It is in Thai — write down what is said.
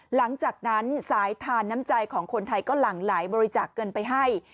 หลังจากนั้นสายทานน้ำใจของคนไทยก็หลั่งไหลบริจาคเงินไปให้